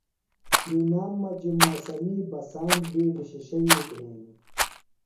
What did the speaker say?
نِنام مجیۡ موسمی بسان بِیڈیۡ شِشیویۡ بھینیۡ۔